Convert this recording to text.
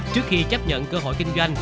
trước khi chấp nhận cơ hội kinh doanh